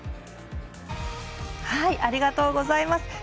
ありがとうございます。